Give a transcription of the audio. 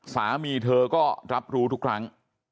สามีเธอก็รับรู้ทุกครั้ง